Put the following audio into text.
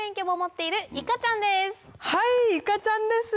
はいいかちゃんです！